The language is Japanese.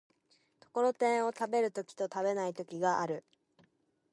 ところてんを食べる時と食べない時がある。